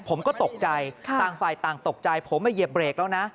ผมก็ตกใจต่างฝ่ายต่างตกใจผมมาเหยียบเบรกแล้วนะ